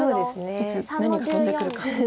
いつ何が飛んでくるか。